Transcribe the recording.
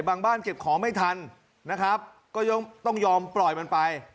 บ้านเก็บของไม่ทันนะครับก็ต้องยอมปล่อยมันไป